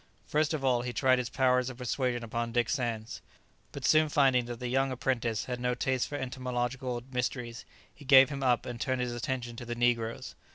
First of all, he tried his powers of persuasion upon Dick Sands, but soon finding that the young apprentice had no taste for entomological mysteries, he gave him up and turned his attention to the negroes.